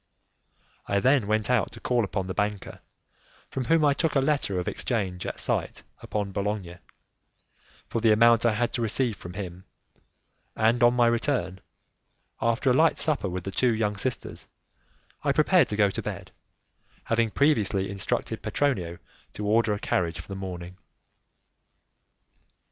I then went out to call upon the banker, from whom I took a letter of exchange at sight upon Bologna, for the amount I had to receive from him, and on my return, after a light supper with the two young sisters, I prepared to go to bed, having previously instructed Petronio to order a carriage for the morning.